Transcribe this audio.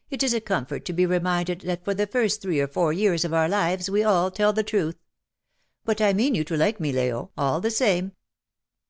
'' It is a comfort to be reminded that for the first three or four years of our lives we all tell the truth. But I mean you to like me, Leo, all the same."